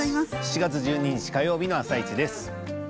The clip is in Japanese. ７月１２日火曜日の「あさイチ」です。